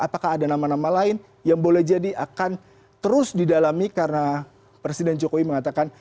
apakah ada nama nama lain yang boleh jadi akan terus didalami karena presiden jokowi mengatakan